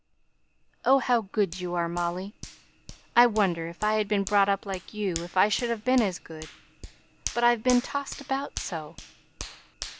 "Oh, how good you are, Molly! I wonder, if I had been brought up like you, whether I should have been as good. But I've been tossed about so."